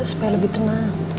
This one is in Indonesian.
supaya lebih tenang